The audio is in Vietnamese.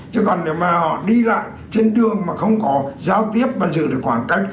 chứ còn nếu mà họ đi lại trên đường mà không có giao tiếp và giữ được khoảng cách